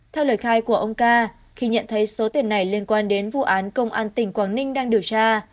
theo lời khai của ông ca khi nhận thấy số tiền này liên quan đến vụ án công an tỉnh quảng ninh đang điều tra